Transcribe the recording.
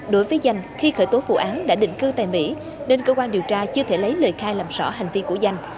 đối với danh khi khởi tố vụ án đã định cư tại mỹ nên cơ quan điều tra chưa thể lấy lời khai làm rõ hành vi của danh